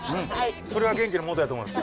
それが元気のもとやと思います。